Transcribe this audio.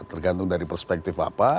tergantung dari perspektif apa